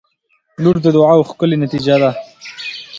• لور د دعاوو ښکلی نتیجه ده.